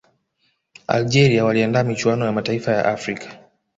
algeria waliandaa michuano ya mataifa ya afrika